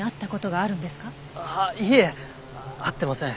ああいえ会ってません。